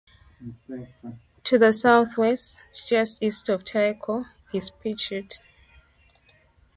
To the southwest, just east of Tycho, is Pictet.